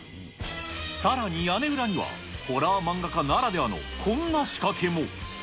さらに屋根裏には、ホラー漫画家ならではのこんな仕掛けも。